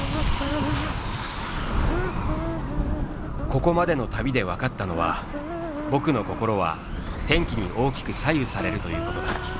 ここまでの旅で分かったのは「僕」の心は天気に大きく左右されるということだ。